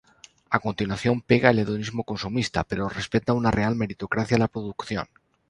A continuación, pega el "hedonismo consumista", pero respeta una real meritocracia la producción.